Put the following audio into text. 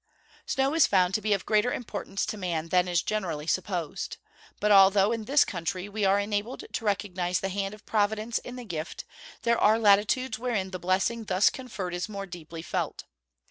Snow is found to be of greater importance to man than is generally supposed. But, although in this country we are enabled to recognise the hand of Providence in the gift, there are latitudes wherein the blessing thus conferred is more deeply felt.